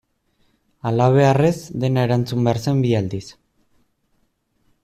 Halabeharrez dena erantzun behar zen bi aldiz.